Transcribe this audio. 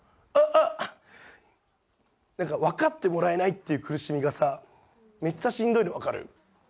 あっ何か分かってもらえないっていう苦しみがさめっちゃしんどいの分かる？